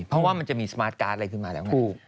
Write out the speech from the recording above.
เพราะว่ามันจะมีสมาร์ทการ์ดอะไรขึ้นมาแล้วไง